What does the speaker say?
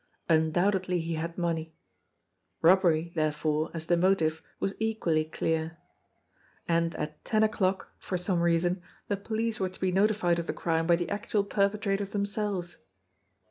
Undoubtedly he had money. Robbery, there fore, as the motive, was equally clear. And at ten o'clock, for some reason, the police were to be notified of the crime by the actual perpetrators themselves.